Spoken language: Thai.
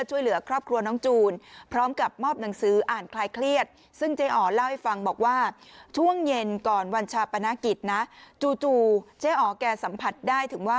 วันชาปนากิจนะจู่เจ๊อ๋อแกสัมผัสได้ถึงว่า